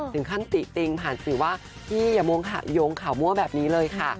ถึงขั้นติติงผ่านสิว่าอย่าโยงข่าวมั่วแบบนี้เลยค่ะ